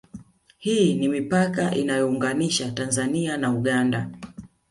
Hii ni mipaka inayoiunganisha Tanzania na Uganda